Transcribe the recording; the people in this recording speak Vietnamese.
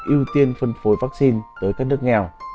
ưu tiên phân phối vaccine tới các nước nghèo